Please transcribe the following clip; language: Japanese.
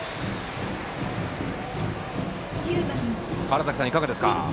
川原崎さん、いかがですか？